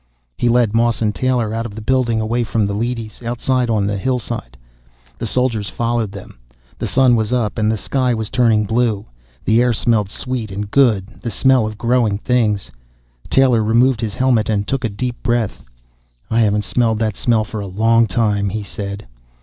He led Moss and Taylor out of the building, away from the leadys, outside on the hillside. The soldiers followed them. The Sun was up and the sky was turning blue. The air smelled sweet and good, the smell of growing things. Taylor removed his helmet and took a deep breath. "I haven't smelled that smell for a long time," he said.